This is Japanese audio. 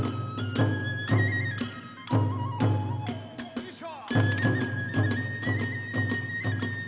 よいしょ！